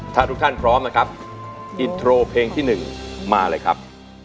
ถ้าทุกท่านพร้อมนะครับอินโทรเพลงที่๑มาเลยครับ